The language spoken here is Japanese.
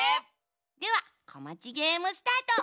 では「こまちゲーム」スタート！